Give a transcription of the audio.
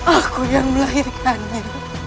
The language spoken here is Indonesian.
aku yang melahirkannya